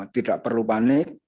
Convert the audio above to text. tidak perlu panik